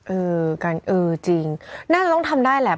อื้ออือจริงน่าจะต้องทำด้ายแหละ